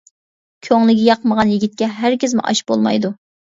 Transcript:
كۆڭلىگە ياقمىغان يىگىتكە ھەرگىزمۇ ئاش بولمايدۇ.